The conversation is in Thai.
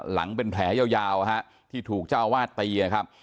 หลังเป็นแผลยาวที่ถูกเจ้าวาดตีนะครับ